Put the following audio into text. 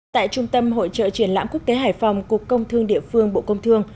tại trung tâm hội trợ triển lãm quốc tế hải phòng cục công thương địa phương bộ công thương